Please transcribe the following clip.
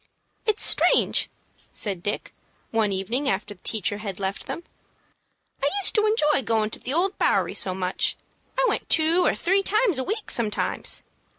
"It's strange," said Dick, one evening after the teacher had left them; "I used to enjoy goin' to the Old Bowery so much. I went two or three times a week sometimes.